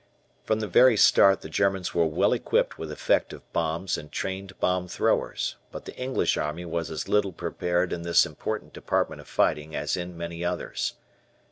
From the very start the Germans were well equipped with effective bombs and trained bomb throwers, but the English Army was as little prepared in this important department of fighting as in many others.